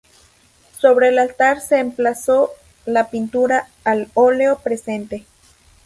Sobre el altar se emplazó la pintura al óleo presente.